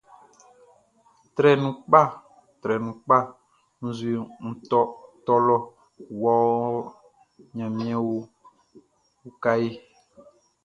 Trɛ nu pka trɛ nu pka nʼzue nʼtôlô yôhô, gnamien o kahé.